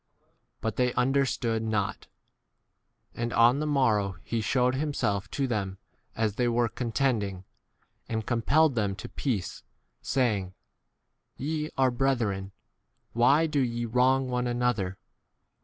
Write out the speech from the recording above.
But they un 20 derstood not. And on the morrow he shewed himself to them as they were contending, and compelled them to peace, saying, Te b are brethren, why do ye wrong one 2 7 another